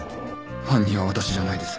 犯人は私じゃないです。